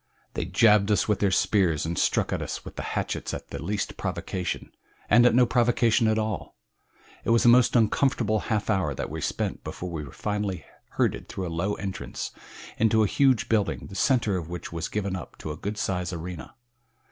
They jabbed us with their spears and struck at us with the hatchets at the least provocation, and at no provocation at all. It was a most uncomfortable half hour that we spent before we were finally herded through a low entrance into a huge building the center of which was given up to a good sized arena.